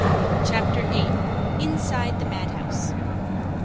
CHAPTER VIII. INSIDE THE MADHOUSE.